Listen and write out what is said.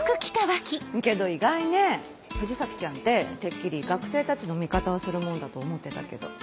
けど意外ね藤崎ちゃんててっきり学生たちの味方をするもんだと思ってたけど。